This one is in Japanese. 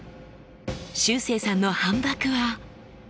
しゅうせいさんの反ばくは。